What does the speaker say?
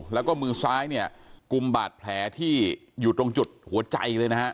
แล้วก็มือซ้ายเนี่ยกุมบาดแผลที่อยู่ตรงจุดหัวใจเลยนะฮะ